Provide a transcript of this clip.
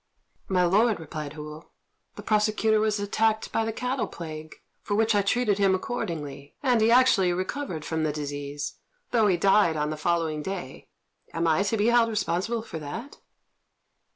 "My lord," replied Hou, "the prosecutor was attacked by the cattle plague, for which I treated him accordingly; and he actually recovered from the disease, though he died on the following day. Am I to be held responsible for that?"